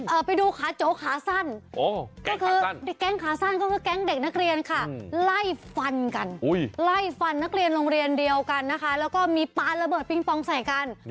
ไล่ฟันกันไล่ฟันนักเรียนโรงเรียนเดียวกันนะคะแล้วก็มีป๊าระเบิดปิ๊งปองใส่กัน